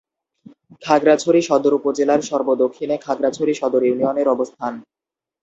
খাগড়াছড়ি সদর উপজেলার সর্ব-দক্ষিণে খাগড়াছড়ি সদর ইউনিয়নের অবস্থান।